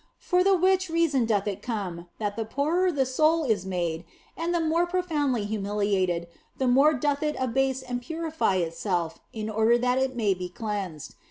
For the which reason doth it come that the poorer the soul is made and the more pro foundly humiliated, the more doth it abase and purify itself in order that it may be cleansed.